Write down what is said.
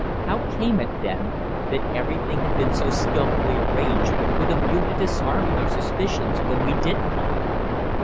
How came it, then, that everything had been so skilfully arranged with a view to disarming our suspicions when we did call?